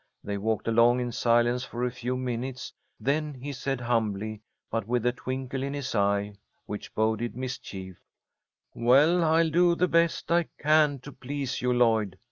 They walked along in silence for a few minutes, then he said, humbly, but with a twinkle in his eye which boded mischief: "Well, I'll do the best I can to please you, Lloyd.